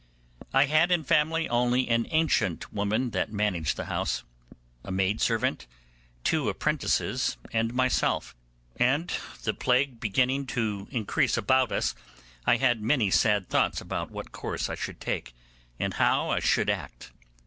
I had in family only an ancient woman that managed the house, a maid servant, two apprentices, and myself; and the plague beginning to increase about us, I had many sad thoughts about what course I should take, and how I should act.